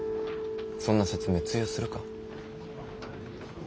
そんな説明通用するか。